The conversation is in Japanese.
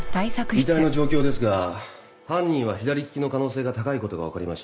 遺体の状況ですが犯人は左利きの可能性が高いことが分かりました。